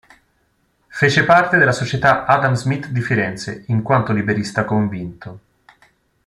Fece parte della Società Adam Smith di Firenze in quanto liberista convinto.